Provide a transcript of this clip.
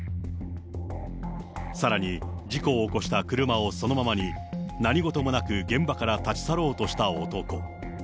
さらに事故を起こした車をそのままに、何事もなく現場から立ち去ろうとした男。